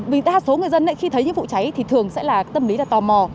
vì đa số người dân khi thấy những vụ cháy thì thường sẽ là tâm lý là tò mò